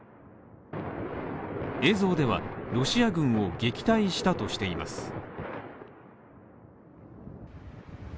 映像では、ロシア軍を撃退したとしています。